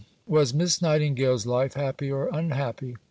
VII Was Miss Nightingale's life happy or unhappy?